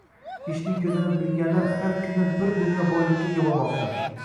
Ishning ko`zini bilganlar har kuni bir dunyo boylikka ega bo`lmoqda